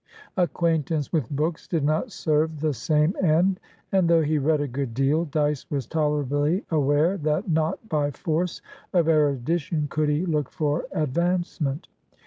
Acquaintance with books did not serve the same end; and, though he read a good deal, Dyce was tolerably aware that not by force of erudition could he look for advancement.